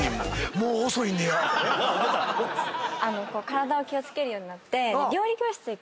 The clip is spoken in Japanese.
体を気を付けるようになって。